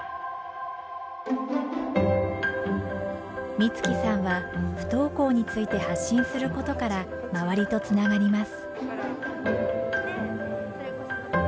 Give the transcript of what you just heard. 光希さんは不登校について発信することから周りとつながります。